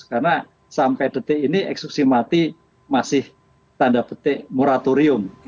karena sampai detik ini eksekusi mati masih tanda petik moratorium